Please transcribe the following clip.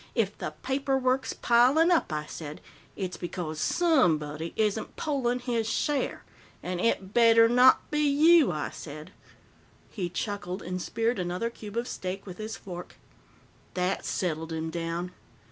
If the paper work's pilin' up,' I said, 'it's because somebody isn't pulling his share. And it better not be you,' I said." He chuckled and speared another cube of steak with his fork. "That settled him down.